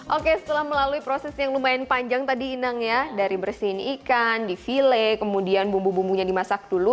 oke setelah melalui proses yang lumayan panjang tadi inang ya dari bersihin ikan di file kemudian bumbu bumbunya dimasak dulu